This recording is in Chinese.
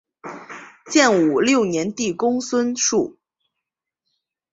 建武六年帝公孙述。